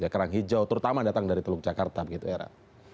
kerang hijau terutama datang dari teluk jakarta begitu era